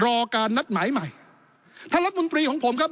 รอการนัดหมายใหม่ท่านรัฐมนตรีของผมครับ